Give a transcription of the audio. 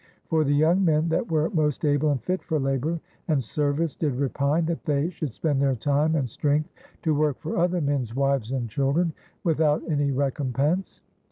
For the yong men that were most able and fitte for labour and service did repine that they should spend their time and streingth to worke for other mens wives and children, with out any recompence.